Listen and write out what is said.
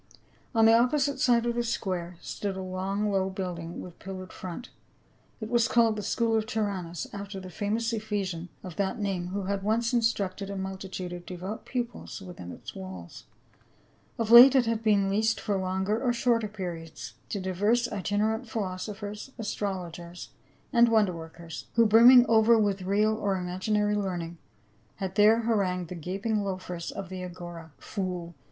359 On the opposite side of the square stood a long low building with pillared front ; it was called the school of Tyrannus after the famous Ephesian of that name who had once instructed a multitude of devout pupils within its walls. Of late it had been leased for longer or shorter periods to divers itinerant philosophers, astrologers and wonder workers, who brimming over with real or imaginar)^ learning had there harangued the gaping loafers of the Agora. " Fool